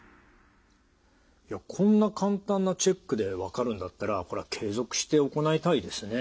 こんな簡単なチェックで分かるんだったらこれは継続して行いたいですね。